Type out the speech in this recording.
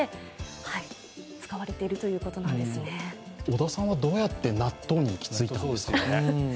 小田さんはどうやって納豆に行き着いたんですかね。